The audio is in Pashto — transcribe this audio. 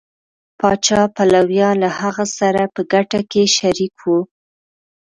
پاچا پلویان له هغه سره په ګټه کې شریک وو.